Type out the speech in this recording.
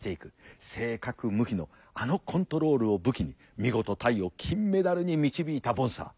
正確無比のあのコントロールを武器に見事タイを金メダルに導いたボンサー。